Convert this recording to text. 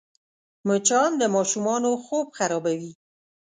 مچان د ماشومانو خوب خرابوي